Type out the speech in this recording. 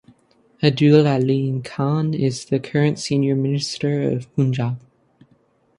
Abdul Aleem Khan is the current Senior Minister of Punjab.